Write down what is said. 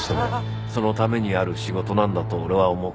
そのためにある仕事なんだと俺は思う。